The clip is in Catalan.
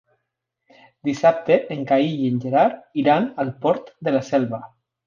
Dissabte en Cai i en Gerard iran al Port de la Selva.